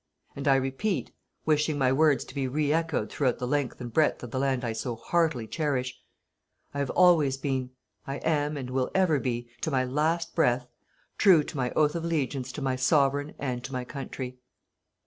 And I repeat, wishing my words to be reechoed throughout the length and breadth of the land I so heartily cherish: I have always been, I am and will ever be, to my last breath, true to my oath of allegiance to my Sovereign and to my country.